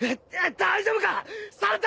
大丈夫だ。